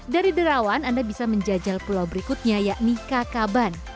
dari derawan anda bisa menjajal pulau berikutnya yakni kakaban